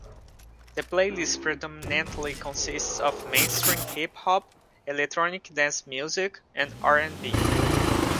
The playlist predominantly consists of mainstream hip-hop, electronic dance music and R and B.